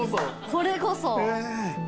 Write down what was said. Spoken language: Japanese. これこそ。